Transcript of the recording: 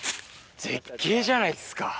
絶景じゃないっすか。